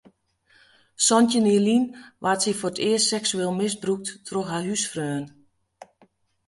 Santjin jier lyn waard sy foar it earst seksueel misbrûkt troch in húsfreon.